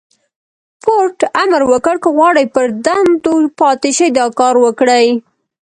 فورډ امر وکړ که غواړئ پر دندو پاتې شئ دا کار وکړئ.